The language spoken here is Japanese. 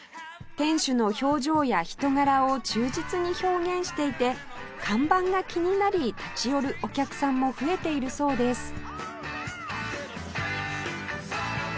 店主の表情や人柄を忠実に表現していて看板が気になり立ち寄るお客さんも増えているそうです